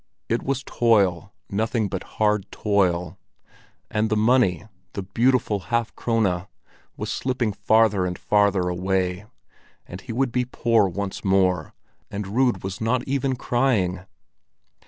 It was toil, nothing but hard toil. And the money—the beautiful half krone—was slipping farther and farther away, and he would be poor once more; and Rud was not even crying!